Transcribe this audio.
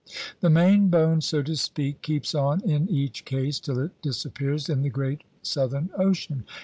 The main bone, so to speak, keeps on in each case till it disappears in the great southern ocean.